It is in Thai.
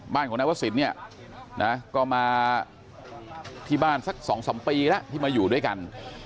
บ้านของนายวศิลป์เนี่ยนะก็มาที่บ้านสัก๒๓ปีแล้วที่มาอยู่ด้วยกัน